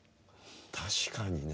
確かにね。